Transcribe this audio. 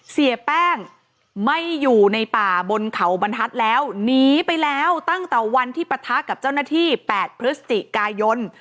เสียแป้งไม่อยู่ในป่าบนเขาบรรทัศน์แล้วหนีไปแล้วตั้งแต่วันที่ปะทะกับเจ้าหน้าที่๘พฤศจิกายน